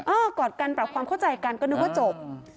กอดกันปรับความเข้าใจกันก็นึกว่าจบ